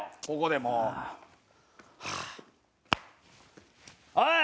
ここでもう。はあ。